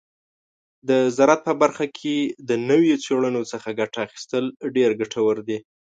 د زراعت په برخه کې د نوو څیړنو څخه ګټه اخیستل ډیر ګټور دي.